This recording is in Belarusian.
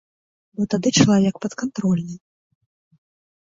Бо тады чалавек падкантрольны.